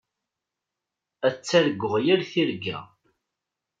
Ad targu yir tirga.